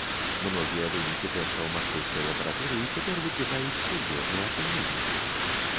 Многія вынікі тэстаў маскоўскай лабараторыі цяпер выклікаюць сур'ёзныя сумненні.